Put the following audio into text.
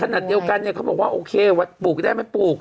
แต่ขณะเดียวกันครับบอกว่าโอเคว่าปลูกก็ได้ไหมปลูก